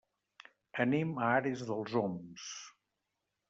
Anem a Ares dels Oms.